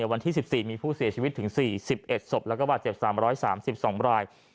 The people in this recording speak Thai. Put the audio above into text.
วันที่๑๔มีผู้เสียชีวิตถึง๔๑ศพแล้วก็บาดเจ็บ๓๓๒ราย